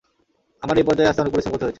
আমায় এই পর্যায়ে আসতে অনেক পরিশ্রম করতে হয়েছে।